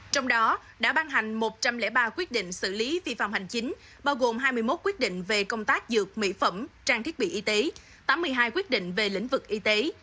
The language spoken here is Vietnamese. trong đó đã ban hành một trăm linh ba quyết định xử lý vi phạm hành chính bao gồm hai mươi một quyết định về công tác dược mỹ phẩm trang thiết bị y tế tám mươi hai quyết định về lĩnh vực y tế